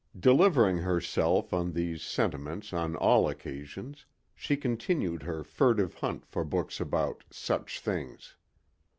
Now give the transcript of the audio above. Delivering herself of these sentiments on all occasions, she continued her furtive hunt for books about "such things."